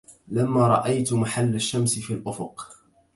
لما رأيت محل الشمس في الأفق